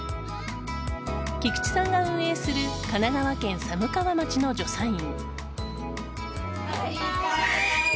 菊地さんが運営する神奈川県寒川町の助産院。